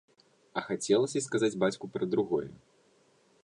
А хацелася сказаць бацьку пра другое.